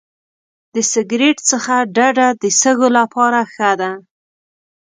د سګرټ څخه ډډه د سږو لپاره ښه ده.